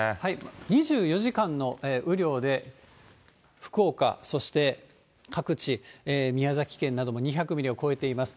２４時間の雨量で、福岡、そして各地、宮崎県なども２００ミリを超えています。